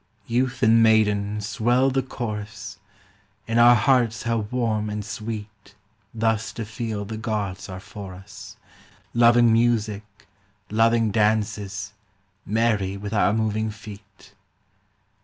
Youth and maiden, swell the chorus 1 In our hearts how warm and sweet Thus to feel the gods are for us. Loving music, loving dances. Merry with our moving feet